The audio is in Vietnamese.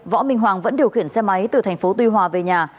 võ minh hoàng vẫn điều khiển xe máy từ thành phố tuy hòa về nhà